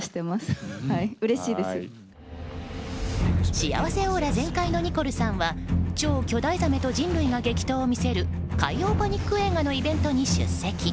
幸せオーラ全開のニコルさんは超巨大ザメと人類が激闘を見せる海洋パニック映画のイベントに出席。